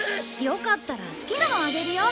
よかったら好きなのあげるよ。